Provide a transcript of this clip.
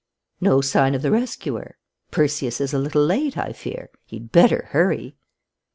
"No sign of the rescuer? Perseus is a little late, I fear. He'd better hurry!"